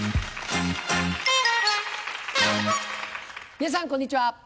皆さんこんにちは。